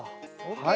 はい。